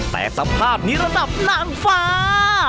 แต่สภาพนี้ระดับนางฟ้า